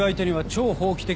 超法規的？